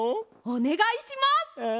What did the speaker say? おねがいします。